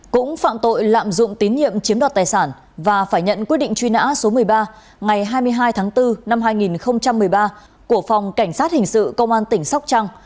cũng phạm tội lạm dụng tín nhiệm chiếm đoạt tài sản và phải nhận quyết định truy nã số một mươi ba ngày hai mươi hai tháng bốn năm hai nghìn một mươi ba của phòng cảnh sát hình sự công an tỉnh sóc trăng